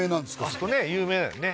あそこね有名だよね